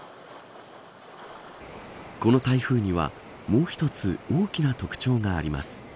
この台風にはもう一つ大きな特徴があります。